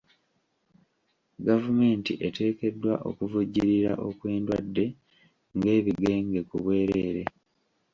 Gavumenti eteekeddwa okuvujjirira okw'endwadde ng'ebigenge ku bwereere.